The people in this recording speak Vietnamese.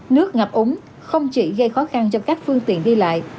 nước ngập úng không chỉ gây khó khăn cho các phương tiện đi lại